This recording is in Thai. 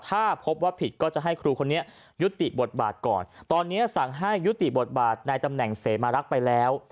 ถ้าพบว่าผิดก็จะให้ครูคนนี้ยุติบทบาทก่อนตอนนี้สั่งให้ยุติบทบาทในตำแหน่งเสมารักษ์ไปแล้ว